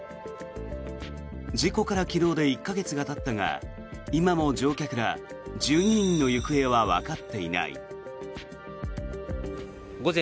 事故から昨日で１か月がたったが今でも乗客ら１２人の行方はわかっていない。